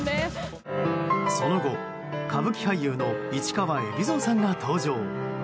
その後、歌舞伎俳優の市川海老蔵さんが登場。